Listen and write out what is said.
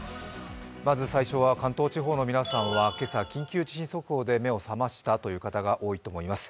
まず最初は、関東地方の皆さんは、今朝緊急地震速報で目を覚ましたという方が多いと思います。